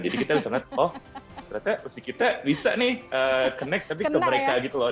jadi kita bisa lihat oh ternyata pasti kita bisa nih connect tapi ke mereka gitu loh